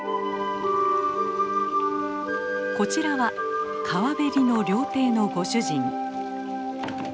こちらは川べりの料亭のご主人。